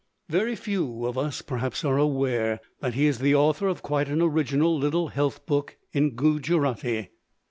Very few of us perhaps are aware that he is the author of quite an original little Health book in Gujarati.